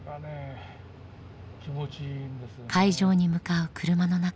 会場に向かう車の中。